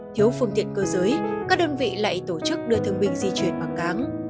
thiếu phương tiện cơ giới các đơn vị lại tổ chức đưa thương binh di chuyển bằng cáng